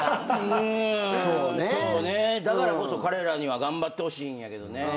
そうねだからこそ彼らには頑張ってほしいんやけどね。